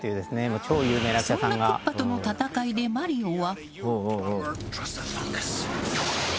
そんなクッパとの戦いでマリオは。